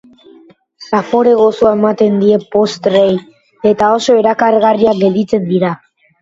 Zapore gozoa ematen die postreei eta oso erakargarriak gelditzen dira.